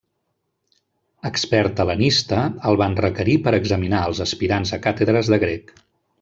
Expert hel·lenista, el van requerir per examinar els aspirants a càtedres de grec.